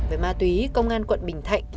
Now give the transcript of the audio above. với ma túy công an quận bình thạnh